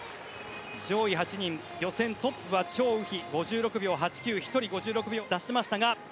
上位８人予選トップはチョウ・ウヒ５６秒台を出しました。